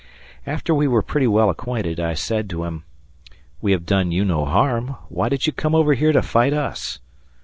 After we were pretty well acquainted, I said to him, "We have done you no harm. Why did you come over here to fight us?"